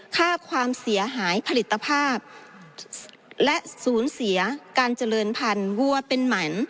ค่าความเสียหายผลิตภาพและศูนย์เสียการเจริญพันธุ์วัวเป็นหมัน